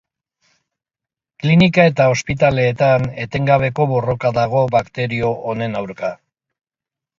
Klinika eta ospitaleetan etengabeko borroka dago bakterio honen aurka.